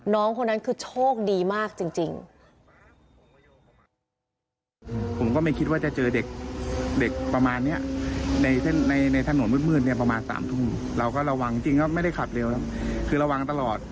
คนนั้นคือโชคดีมากจริง